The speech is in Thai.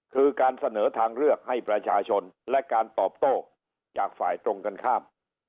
คือการเสนอทางเลือกให้ประชาชนและการตอบโต้จากฝ่ายตรงกันข้าม